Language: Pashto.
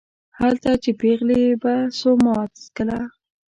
هلته چې پېغلې به سوما څکله